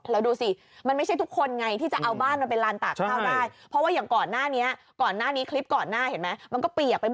แล้วดูสิมันไม่ใช่ทุกคนไงที่จะเอาบ้านมาเป็นลานตากข้าวได้เพราะว่าอย่างก่อนหน้านี้ก่อนหน้านี้คลิปก่อนหน้าเห็นไหมมันก็เปียกไปหมด